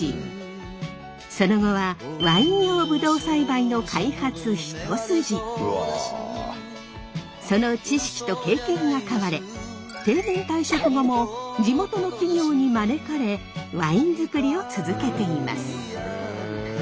その後はその知識と経験が買われ定年退職後も地元の企業に招かれワイン作りを続けています。